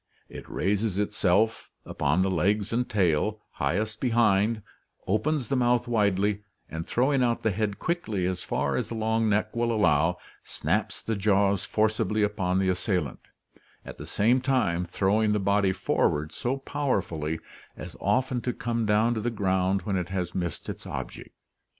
It raises itself upon the legs and tail; highest behind, opens the mouth widely, and throwing out the head quickly as far as the long neck will allow, snaps the jaws forcibly upon the assailant, at the 184 ORGANIC EVOLUTION same time throwing the body forward so powerfully as often to come down to the ground when it has missed its object."